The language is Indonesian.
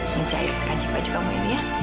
mencairkan cipat juga mu ini ya